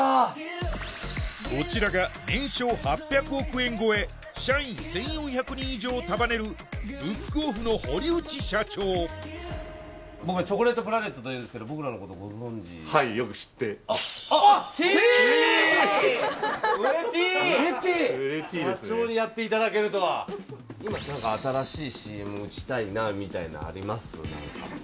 こちらが年商８００億円超え社員１４００人以上を束ねるブックオフの堀内社長僕らチョコレートプラネットというんですけどはいよく知ってます社長にやっていただけるとは今ってなんか新しいＣＭ打ちたいなみたいなのあります？